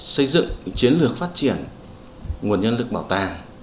xây dựng chiến lược phát triển nguồn nhân lực bảo tàng